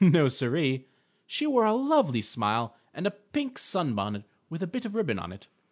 No, Siree. She wore a lovely smile and a pink sun bonnet with a bit of ribbon on it.